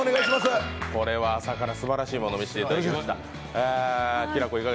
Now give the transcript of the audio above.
これは朝からすばらしいものを見せていただきました。